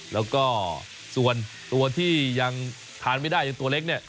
แล้วก็ส่วนตัวที่ยังทานไม่ได้ยังตัวเล็กเนี่ย